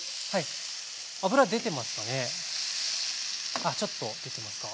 ああちょっと出てますか。